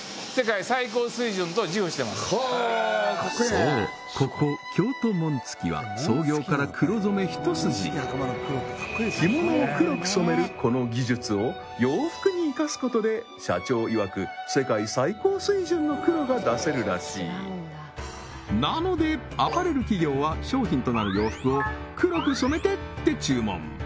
そうここ京都紋付は創業から黒染め一筋着物を黒く染めるこの技術を洋服に生かすことで社長いわく世界最高水準の黒が出せるらしいなのでアパレル企業は商品となる洋服を黒く染めて！って注文